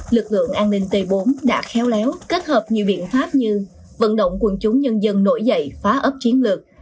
lực lượng an ninh t bốn đã khéo léo kết hợp nhiều biện pháp như vận động quân chúng nhân dân nổi dậy phá ấp chiến lược